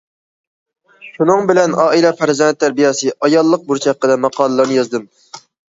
شۇنىڭ بىلەن ئائىلە، پەرزەنت تەربىيەسى، ئاياللىق بۇرچ ھەققىدە ماقالىلەرنى يازدىم.